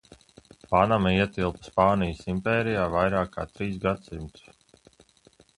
Panama ietilpa Spānijas impērijā vairāk kā trīs gadsimtus.